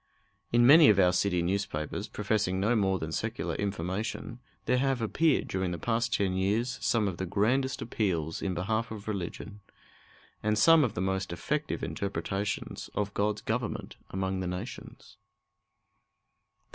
In many of our city newspapers, professing no more than secular information, there have appeared during the past ten years some of the grandest appeals in behalf of religion, and some of the most effective interpretations of God's government among the nations.